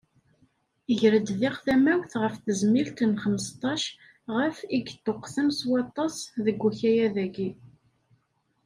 Iger-d diɣ tamawt ɣef tezmilt n xmesṭac ɣef, i yeṭṭuqten s waṭas deg ukayad-agi.